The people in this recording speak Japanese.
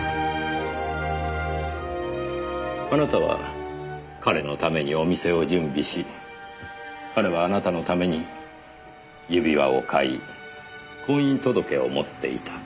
あなたは彼のためにお店を準備し彼はあなたのために指輪を買い婚姻届を持っていた。